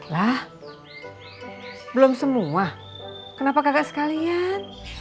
lah belum semua kenapa kakak sekalian